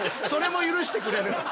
それも許してくれる。